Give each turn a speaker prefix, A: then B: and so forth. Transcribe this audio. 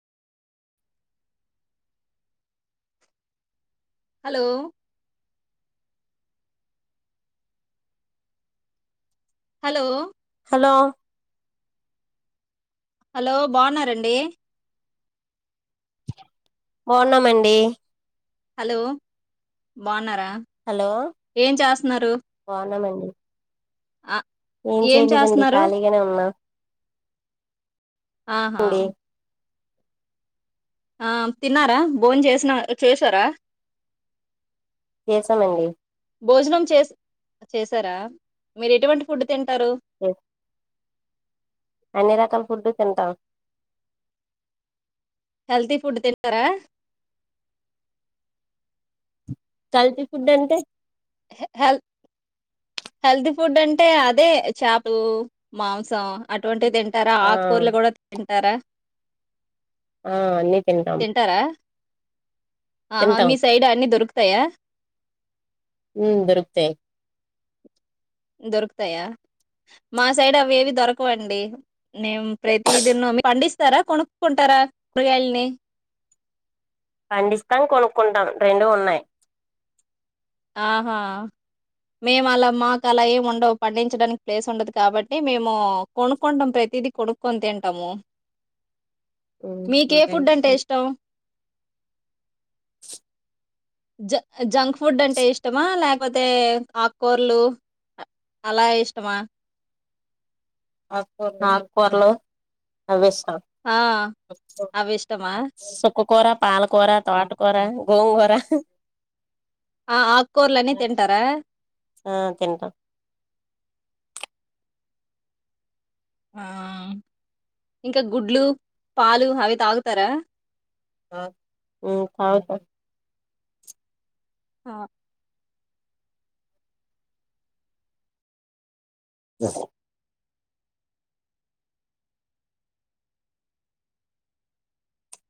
A: hello hello
B: hello
A: hello బావున్నారండి
B: బావున్నామండి
A: hello బావున్నారా
B: హలో
A: ఏం చాస్తున్నారు
B: బాగున్నామండి
A: ఆ ఏం చేస్త్న్నారు
B: ఫ్రీగనే ఉన్నా
A: ఆహా
B: అండి
A: ఆ తిన్నారా, బోన్ చేసినా, చేసారా
B: చేసామండి
A: భోజనం చేస్ చేసారా మీరెటువంటి ఫుడ్ తింటారు
B: ఓ అన్ని రకాల ఫుడ్ తింటాం
A: హెల్తీ ఫుడ్ తింటారా
B: కల్తీ ఫుడ్ అంటే
A: హ్ హెల్ హెల్తీ ఫుడ్ అంటే అదే చాపలు, మాంసం అటువంటివి తింటారా
B: ఆ
A: ఆక్కూరలు గూడ తింటారా
B: ఆ అన్నీ తింటాం
A: టారా ఆహా
B: తింటాం
A: మీ సైడ్ అన్ని దొరుకుతయా
B: ఉమ్ దరుకుతయ్
A: దొరుకుతయా, మా సైడ్ అవేవి దొరకవండి పండిస్తారా కొనుక్కుంటారా కూరగాయల్ని
B: పండిస్తాం, కొనుక్కుంటాం రెండూ ఉన్నాయి
A: ఆహా మేం అలా మాకు అలా ఏం ఉండవు పండించడానికి ప్లేస్ ఉండదు కాబట్టి మేము కొనుక్కుంటాం ప్రతిదీ కొడుక్కొని తింటాము
B: ఉమ్,
A: మీకే ఫుడ్ అంటే ఇష్టం జ జంక్ ఫుడ్ అంటే ఇష్టమా లేకపోతే ఆక్కూరలు అలా ఇష్టమా
B: ఆక్కురలు ఆవిష్టం
A: ఆ అవి ఇష్టమా
B: సుక్ క్క కూర, పాలకూర, తోటకూర, గోంగూర
A: ఆ ఆక్కుర్లన్నీ తింటారా
B: ఆ తింటామ్
A: ఆ ఇంక గుడ్లు, పాలు అవి తాగుతరా
B: ఉమ్ పాలు తాగ్
A: ఆ